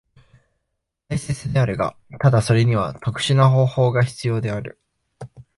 大切であるが、ただそれには特殊な方法が必要である。